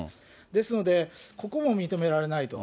ですので、ここも認められないと。